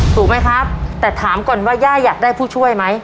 ถูกไหมครับแต่ถามก่อนว่าย่าอยากได้ผู้ช่วยไหม